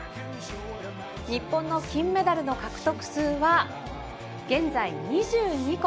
日本の金メダルの獲得数は現在、２２個。